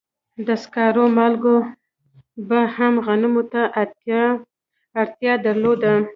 د سکارو مالک به هم غنمو ته اړتیا درلوده